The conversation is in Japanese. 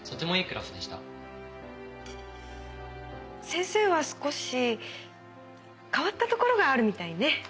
先生は少し変わったところがあるみたいね？